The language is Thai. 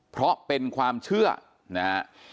เพราะเป็นความเชื่อนะฮะ